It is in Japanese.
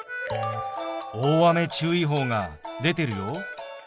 大雨注意報が出てるよ。